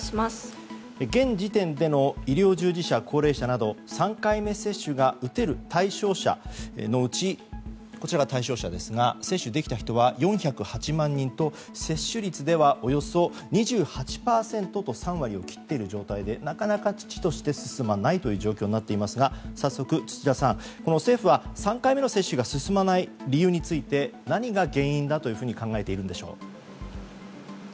現時点での医療従事者高齢者など３回目接種が打てる対象者のうち、接種できた人は４０８万人と、接種率ではおよそ２８％と３割を切っている状態で遅々として進まない状態ですが早速、土田さん政府は３回目の接種が進まないことについて何が原因だと考えているんでしょう？